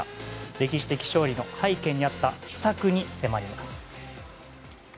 歴史的勝利の背景にあった秘策に迫ります。